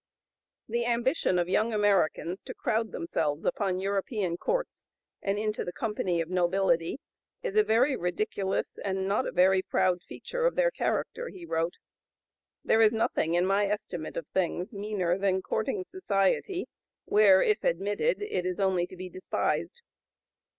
"The ambition of young Americans to crowd themselves upon European courts and into the company of nobility is a very ridiculous and not a very proud feature of their character," he wrote; "there is nothing, in my estimate of things, meaner than courting society where, if admitted, it is only to be despised."